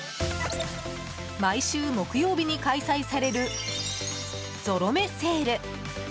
毎週木曜日に開催されるゾロ目セール！